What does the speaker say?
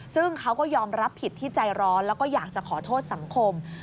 ซึ่งเขาก็ยอมรับผิดที่ใจร้อนแล้วก็อยากจะขอโทษสังคม